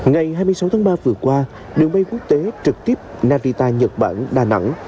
ngày hai mươi sáu tháng ba vừa qua đường bay quốc tế trực tiếp navita nhật bản đà nẵng